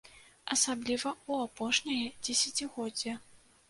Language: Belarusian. Асабліва ў апошняе дзесяцігоддзе.